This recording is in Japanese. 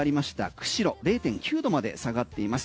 釧路０．９度まで下がっています。